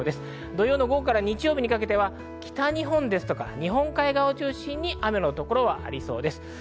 土曜の午後から日曜にかけては北日本とか日本海側を中心に雨の所がありそうです。